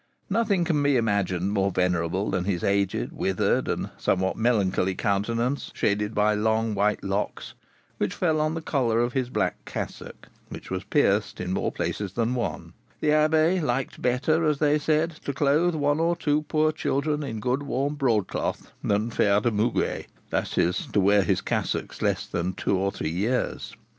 Nothing can be imagined more venerable than his aged, withered, and somewhat melancholy countenance, shaded by long white locks, which fell on the collar of his black cassock, which was pieced in more places than one; the abbé liked better, as they said, to clothe one or two poor children in good warm broadcloth, than faire le muguet; that is, to wear his cassocks less than two or three years.